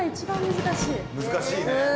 難しいね。